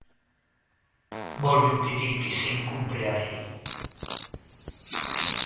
Volven pedir que se incumpre a lei.